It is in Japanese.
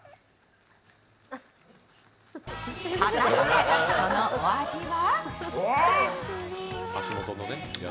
果たして、そのお味は？